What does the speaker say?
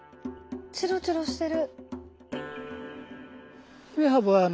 チロチロしてる。